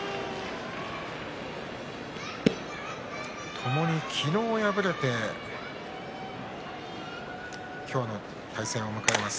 ともに昨日、敗れて今日の対戦を迎えます。